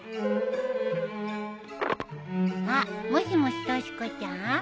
☎あっもしもしとし子ちゃん？